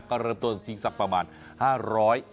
ก็เริ่มตัวสิทธิ์สักประมาณ๕๐๐บาท